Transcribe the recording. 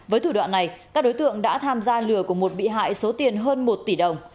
với thủ đoạn này các đối tượng đã tham gia lừa của một bị hại số tiền hơn một tỷ đồng